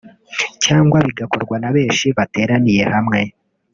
cyangwa bigakorwa na benshi bateraniye hamwe